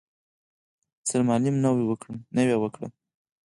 سرمالم نوې وکړه.